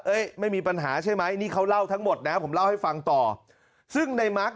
ไม่มีปัญหาใช่ไหมนี่เขาเล่าทั้งหมดนะผมเล่าให้ฟังต่อซึ่งในมาร์ค